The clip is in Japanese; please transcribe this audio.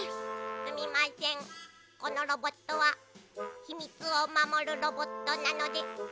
このロボットはひみつをまもるロボットなのです。